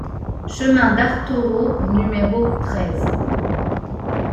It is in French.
Chemin d'Artoreau au numéro treize